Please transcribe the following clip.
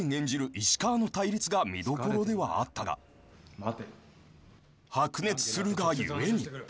石川の対立が見どころではあったが白熱するが故に］